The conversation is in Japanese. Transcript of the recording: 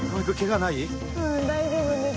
はい大丈夫です